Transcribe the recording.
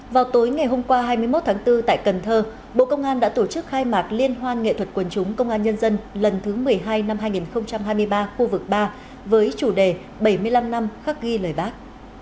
vào tối ngày hôm qua hai mươi một tháng bốn tại cần thơ bộ công an đã tổ chức khai mạc liên hoan nghệ thuật quần chúng công an nhân dân lần thứ một mươi hai năm hai nghìn hai mươi ba khu vực ba với chủ đề bảy mươi năm năm khắc ghi lời bác